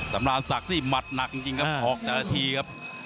สำหรับศักดิ์นี่หมัดหนักจริงครับออกแต่ละทีครับ